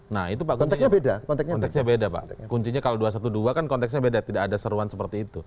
nah itu bagi beda beda kuncinya kalau dua ratus dua belas kan konteksnya beda tidak ada seruan seperti itu